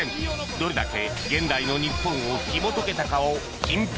どれだけ現代の日本をひもとけたかを品評します